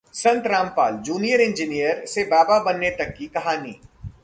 संत Rampal: junior engineer से बाबा बनने तक की कहानी